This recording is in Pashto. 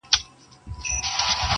مخامخ وتراشل سوي بت ته ناست دی.